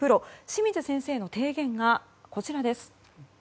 清水先生の提言がこちらです。